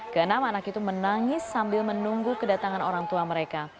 ke enam anak itu menangis sambil menunggu kedatangan orang tua mereka